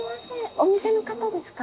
お店の方ですか？